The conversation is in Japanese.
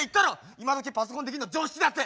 今どきパソコンできるの常識だって。